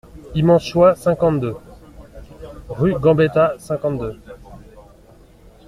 Immense choix cinquante-deux, rue Gambetta, cinquante-deux.